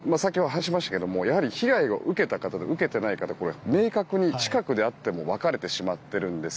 そのため、コミュニティーも先ほど話しましたがやはり被害を受けた方と受けていない方明確に、近くであっても分かれてしまっています。